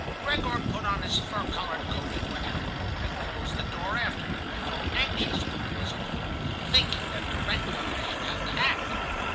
"Gregor put on his fur collared coat and went out. I closed the door after him. I felt anxious when I was alone, thinking that directly I should have to act.